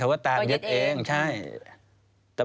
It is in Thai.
แล้วเขาสร้างเองว่าห้ามเข้าใกล้ลูก